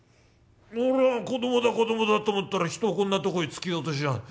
子供だ子供だと思ったら人をこんなとこへ突き落としやがって。